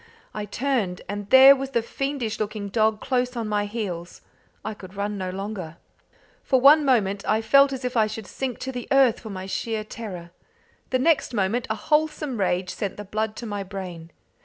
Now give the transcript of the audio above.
I turned, and there was the fiendish looking dog close on my heels. I could run no longer. For one moment I felt as if I should sink to the earth for sheer terror. The next moment a wholesome rage sent the blood to my brain.